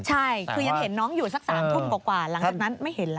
ใช่คือยังเห็นน้องอยู่สัก๓ทุ่มกว่าหลังจากนั้นไม่เห็นแล้ว